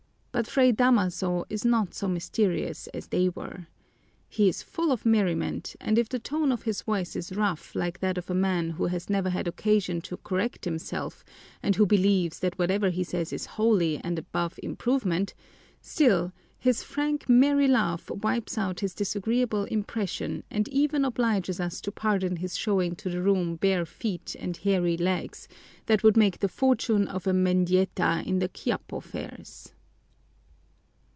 But Fray Damaso is not so mysterious as they were. He is full of merriment, and if the tone of his voice is rough like that of a man who has never had occasion to correct himself and who believes that whatever he says is holy and above improvement, still his frank, merry laugh wipes out this disagreeable impression and even obliges us to pardon his showing to the room bare feet and hairy legs that would make the fortune of a Mendieta in the Quiapo fairs.